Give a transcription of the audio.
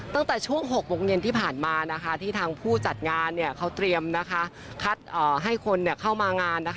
ตั้งแต่ช่วง๖โมงเย็นที่ผ่านมาที่ทางผู้จัดงานเขาเตรียมคัดให้คนเข้ามางาน